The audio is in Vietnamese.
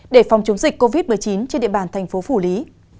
để phòng chống dịch covid một mươi chín trên địa bàn tp phủ lý